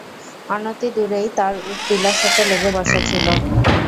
অনতি দূরেই তার উট টিলার সাথে লেগে বসা ছিল।